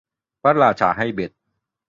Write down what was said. พระราชาให้เบ็ด